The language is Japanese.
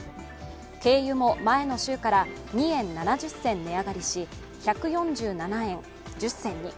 軽油も前の週から２円７０銭値上がりし１４７円１０銭に。